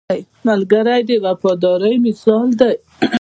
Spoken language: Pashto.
ملګری د وفادارۍ مثال دی